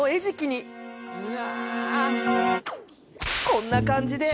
こんな感じで。